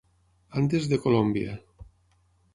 Andes de Colòmbia.